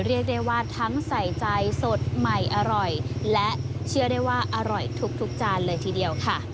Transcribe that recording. เรียกได้ว่าทั้งใส่ใจสดใหม่อร่อยและเชื่อได้ว่าอร่อยทุกจานเลยทีเดียวค่ะ